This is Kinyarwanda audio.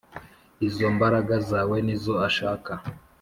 Izombaraga zawe nizo ashaka